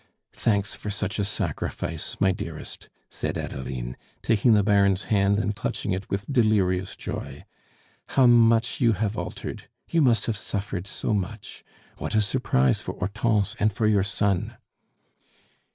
"Thanks for such a sacrifice, my dearest," said Adeline, taking the Baron's hand and clutching it with delirious joy. "How much you are altered! you must have suffered so much! What a surprise for Hortense and for your son!"